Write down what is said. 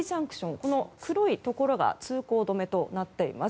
この黒いところが通行止めとなっています。